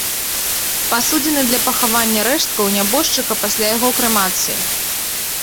Пасудзіны для пахавання рэшткаў нябожчыка пасля яго крэмацыі.